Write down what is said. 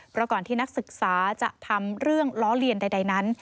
เพราะก่อนที่นักศึกษาจะทำเรื่องล้อเลียนใดนั้น